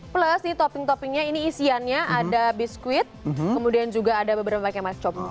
plus nih topping toppingnya ini isiannya ada biskuit kemudian juga ada beberapa macam